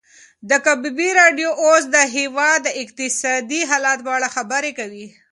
د کبابي راډیو اوس د هېواد د اقتصادي حالت په اړه خبرې کوي.